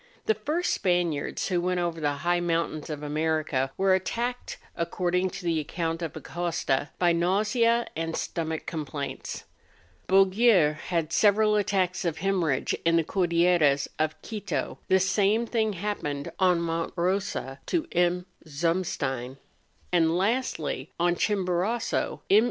The first Spaniards who went over the high moun¬ tains of America were attacked, according to the account of Acosta, by nausea and stomach com¬ plaints. Bouguer had several attacks of hemor¬ rhage in the Cordilleras of Quito; the same thing happened on Monte Eosa to M. Zumstein; and lastly, on Chimborazo, MM.